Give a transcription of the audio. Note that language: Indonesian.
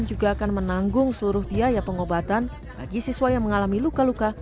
dan juga akan menanggung seluruh biaya pengobatan bagi siswa yang mengalami luka luka